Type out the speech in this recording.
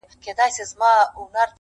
له توتکیو به وي تشې د سپرلي لمني،